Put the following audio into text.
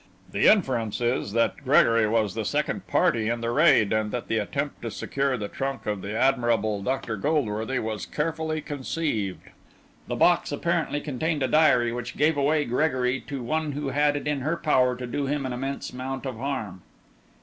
The inference is, that Gregory was the second party in the raid, and that the attempt to secure the trunk of the admirable Dr. Goldworthy was carefully conceived. The box apparently contained a diary which gave away Gregory to one who had it in her power to do him an immense amount of harm."